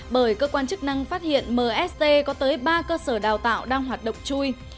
bởi cơ quan chức năng phát hiện mst có tới ba cơ sở đào tạo đang hoạt động chui